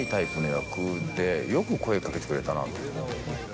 よく声かけてくれたなと。